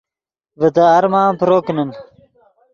ڤے تے ارمان پرو کینیم